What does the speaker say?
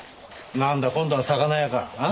なんだ今度は魚屋かあぁ？